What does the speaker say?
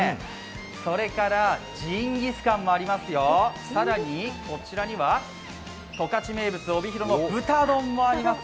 それからジンギスカンもありますよ、更に、こちらには十勝名物帯広の豚丼もあります。